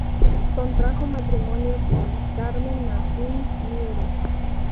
Contrajo matrimonio con "Carmen Martín Mieres".